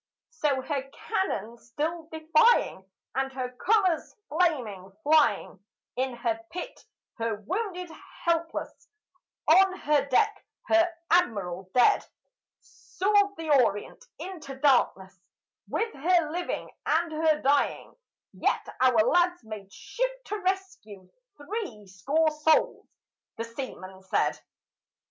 So, her cannon still defying, and her colors flaming, flying, In her pit her wounded helpless, on her deck her Admiral dead, Soared the Orient into darkness with her living and her dying: "Yet our lads made shift to rescue three score souls," the seaman said.